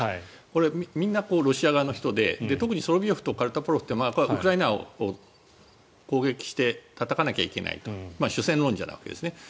これはみんなロシア側の人で特にソロビヨフとカルタポロフというのはウクライナを攻撃してたたかなきゃいけないという主戦論者なわけですね。